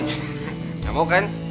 enggak mau kan